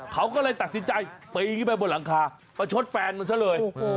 เขาก็เลยตัดสินใจปีนขึ้นไปบนหลังคาประชดแฟนมันซะเลย